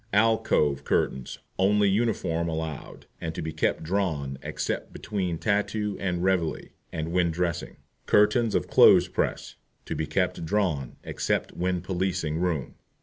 ALCOVE CURTAINS Only uniform allowed, and to be kept drawn, except between "Tattoo" and "Reveille" and when dressing. CURTAINS OF CLOTHES PRESS To be kept drawn, except when policing room.